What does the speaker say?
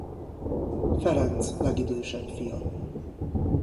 Ferenc legidősebb fia.